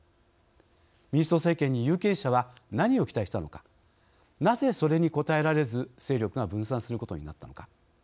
民主党政権に有権者は何を期待したのかなぜ、それに応えられず勢力が分散することになったのか。